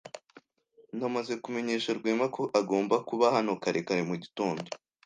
Namaze kumenyesha Rwema ko agomba kuba hano kare kare mugitondo.